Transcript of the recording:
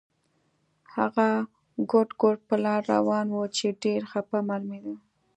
هغه ګوډ ګوډ پر لار روان و چې ډېر خپه معلومېده.